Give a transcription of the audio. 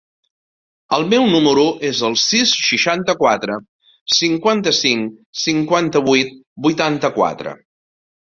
El meu número es el sis, seixanta-quatre, cinquanta-cinc, cinquanta-vuit, vuitanta-quatre.